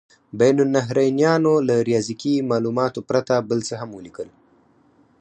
بین النهرینیانو له ریاضیکي مالوماتو پرته بل څه هم ولیکل.